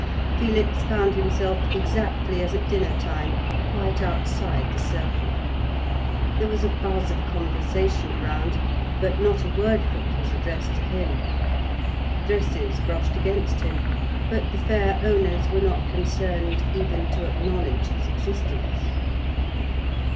Felix found himself, exactly as at dinner time, quite outside the circle. There was a buzz of conversation around, but not a word of it was addressed to him. Dresses brushed against him, but the fair owners were not concerned even to acknowledge his existence.